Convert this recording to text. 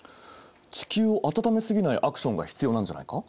地球を暖め過ぎないアクションが必要なんじゃないか？